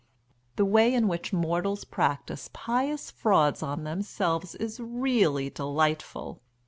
The way in which mortals practise pious frauds on themselves is really delightful!